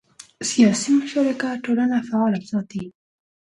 سیاسي مشارکت ټولنه فعاله ساتي